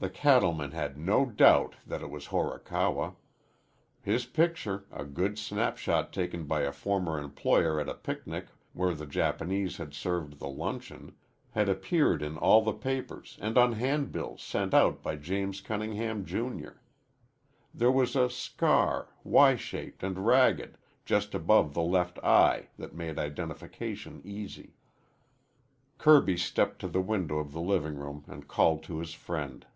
The cattleman had no doubt that it was Horikawa. His picture, a good snapshot taken by a former employer at a picnic where the Japanese had served the luncheon, had appeared in all the papers and on handbills sent out by James Cunningham, Junior. There was a scar, Y shaped and ragged, just above the left eye, that made identification easy. Kirby stepped to the window of the living room and called to his friend.